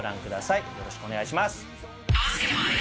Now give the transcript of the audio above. よろしくお願いします。